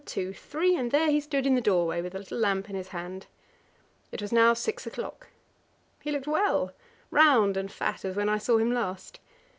two! three! and there he stood in the doorway, with a little lamp in his hand. It was now six o'clock. He looked well; round and fat, as when I saw him last.